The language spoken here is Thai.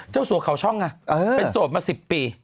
เจ้าสัวเขาช่องนะเป็นสัวมา๑๐ปี